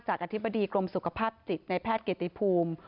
อธิบดีกรมสุขภาพจิตในแพทย์เกียรติภูมิ